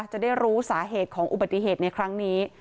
จะได้รู้สาเหตุของอุบัติเหตุในครั้งนี้